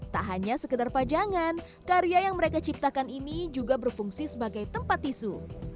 tak hanya sekedar pajangan karya yang mereka ciptakan ini juga berfungsi sebagai tempat tisu